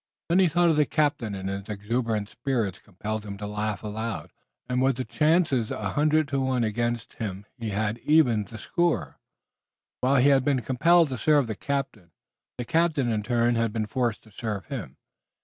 Then he thought of the captain and his exuberant spirits compelled him to laugh aloud. With the chances a hundred to one against him he had evened the score. While he had been compelled to serve the captain, the captain in turn had been forced to serve him.